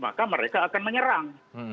maka mereka akan menyerang